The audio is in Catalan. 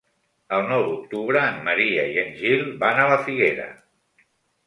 El nou d'octubre en Maria i en Gil van a la Figuera.